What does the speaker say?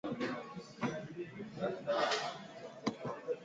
The use of attribute overlays is standard practice today.